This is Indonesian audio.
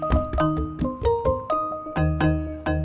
pat tallar juga ga bujang